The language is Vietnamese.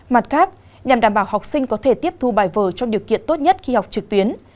mặt khác nhằm đảm bảo học sinh có thể tiếp thu bài vở trong điều kiện tốt nhất khi học trực tuyến